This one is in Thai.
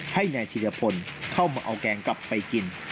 ให้นายธิรพลเข้ามาเอาแกงกลับไปกิน